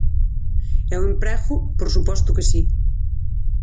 E o emprego, por suposto que si.